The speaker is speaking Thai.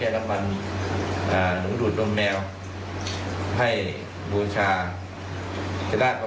แน่ล่ะค่ะ